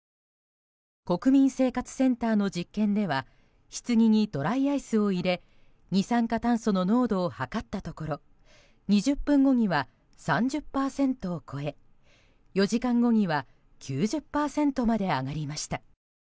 国民生活センターの実験ではひつぎにドライアイスを入れ二酸化炭素の濃度を測ったところ２０分後には３０％を超え４時間後には９０％まで上がりました。